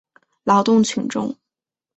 劳动群众。